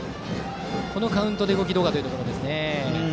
このカウントで動きはどうだというところですね。